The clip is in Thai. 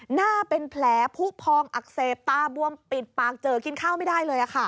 หน้าเป็นแผลผู้พองอักเสบตาบวมปิดปากเจอกินข้าวไม่ได้เลย